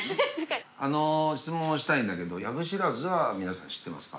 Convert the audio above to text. あの質問をしたいんだけど藪知らずは皆さん知ってますか？